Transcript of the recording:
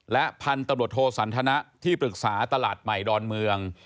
และพันธุ์ตำรวจโทสันทนะที่ปรึกษาตลาดใหม่ดอนเมือง